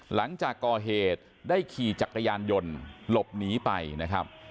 หลังจากก่อเหตุได้ขี่จักรยานยนต์หลบหนีไปนะครับ